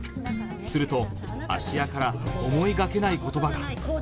すると芦屋から思いがけない言葉が